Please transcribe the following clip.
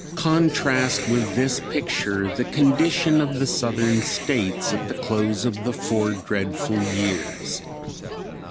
Contrast with this picture the condition of the Southern States at the close of the four dreadful years.